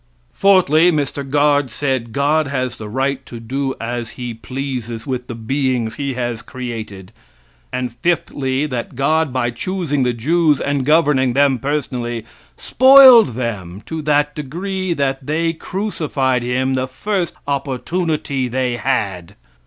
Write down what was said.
Fourthly, Mr. Guard said God has the right to do as he pleases with the beings he has created; and, fifthly, that God, by choosing the Jews and governing them personally, spoiled them to that degree that they crucified Him the first opportunity they had.